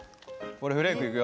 俺フレークいくよ。